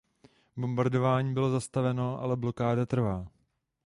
Bombardování bylo zastaveno, ale blokáda trvá.